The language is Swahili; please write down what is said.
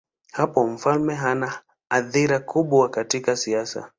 Hapo mfalme hana athira kubwa katika siasa.